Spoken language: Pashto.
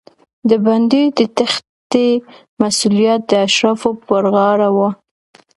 د بندي د تېښتې مسوولیت د اشرافو پر غاړه و.